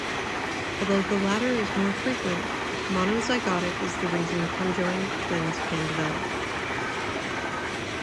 Although the latter is more frequent, monozygotic is the reason conjoined twins can develop.